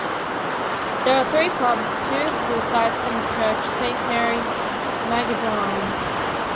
There are three pubs, two school sites and a church, Saint Mary Magdelene.